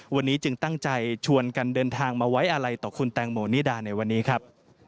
วันนี้จึงตั้งใจชวนกันเดินทางมาไว้อะไรต่อคุณแตงโมนิดาในวันนี้ครับ